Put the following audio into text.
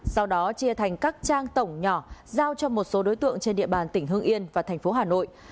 sau đó chia thành các trang tổng nhỏ giao cho một số đối tượng trên địa bàn tỉnh hương yên và thành phố hà nội